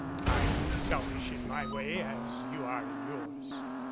I'm selfish in my way as you are in yours.